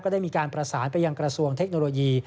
ได้มีการประสานไปยังกระทรวงเทคโนโลยี